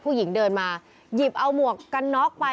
ผู้หญิงเดินมาหยิบเอาหมวกกันน็อกไป